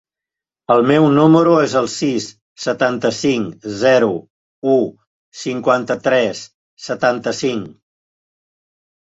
El meu número es el sis, setanta-cinc, zero, u, cinquanta-tres, setanta-cinc.